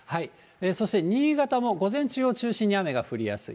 そして新潟も午前中を中心に雨が降りやすい。